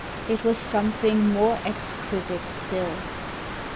it was something more exquisite still.